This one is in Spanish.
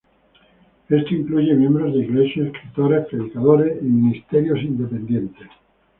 Esto incluye miembros de iglesia, escritores, predicadores y ministerios independientes.